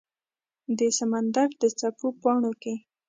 د سمندردڅپو پاڼو کې